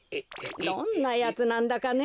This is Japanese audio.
どんなやつなんだかねえ？